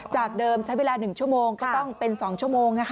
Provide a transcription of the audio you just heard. จากเดิมใช้เวลา๑ชั่วโมงก็ต้องเป็น๒ชั่วโมง